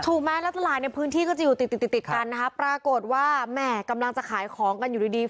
ถูกไหมแล้วตลาดในพื้นที่ก็จะอยู่ติดติดติดกันนะคะปรากฏว่าแหม่กำลังจะขายของกันอยู่ดีดี